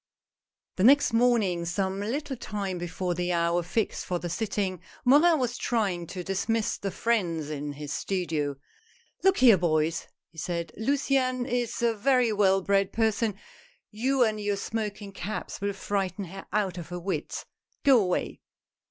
HE next morning, some little time before the hour I fixed for the sitting, Morin was trying to dismiss the friends in his studio. " Look here, boys," he said, " Luciane is a very well bred person ; you and your smoking caps will frighten her out of her wits ! Go away